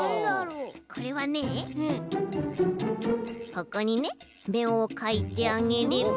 これはねえここにねめをかいてあげれば。